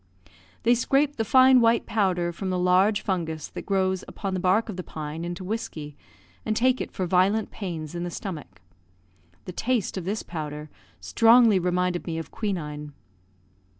They scrape the fine white powder from the large fungus that grows upon the bark of the pine into whiskey, and take it for violent pains in the stomach. The taste of this powder strongly reminded me of quinine.